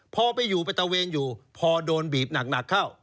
พอไปอยู่ไปตะเวนอยู่พอโดนบีบหนักเข้า